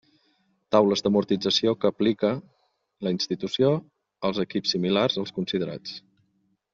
Taules d'amortització que aplica la institució als equips similars als considerats.